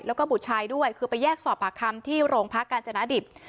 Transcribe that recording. แล้วก็บุตรชายด้วยคือไปแยกสอบปากคำที่โรงพักกาญจนดิต